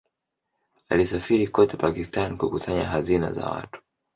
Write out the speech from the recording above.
Alisafiri kote Pakistan kukusanya hazina za watu.